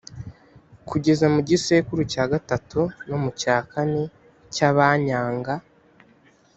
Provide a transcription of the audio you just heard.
kugeza mu gisekuru cya gatatu no mu cya kane cy’abanyanga.